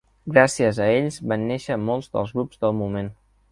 gràcies a ells van néixer molts dels grups del moment.